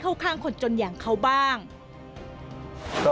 ทำไมเราต้องเป็นแบบเสียเงินอะไรขนาดนี้เวรกรรมอะไรนักหนา